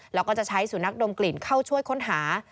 แล้วก็จะใช้สุนัขดมกลิ่นเข้าช่วยค้นหา